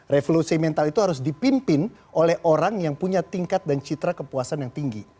revolusi mental itu harus dipimpin oleh orang yang punya tingkat dan citra kepuasan yang tinggi